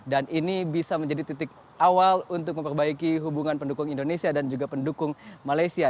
dan ini bisa menjadi titik awal untuk memperbaiki hubungan pendukung indonesia dan juga pendukung malaysia